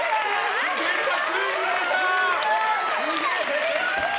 すごい！